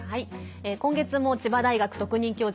今月も千葉大学特任教授